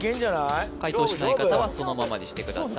勝負勝負解答しない方はそのままにしてください